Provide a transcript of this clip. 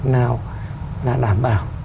nào là đảm bảo